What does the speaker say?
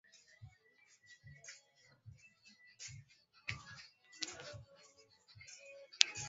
Nungwi ni kata ya Wilaya ya Unguja Kaskazini katika Mkoa wa Kaskazini